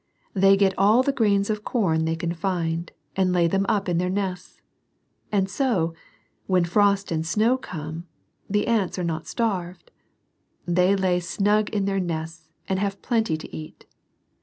They get all the grains of corn they can find, and lay them up in their nests. And so, when frost and snow come, the ants are not starved. They lay snug in their nests, and have plenty to eat.